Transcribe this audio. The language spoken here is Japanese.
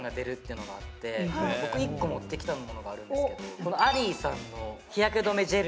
僕１個持ってきたものがあるんですけどこのアリィーさんの日焼け止めジェル。